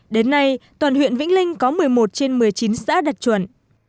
đến nay toàn huyện vĩnh linh có một mươi một trên một mươi chín xã đạt chuẩn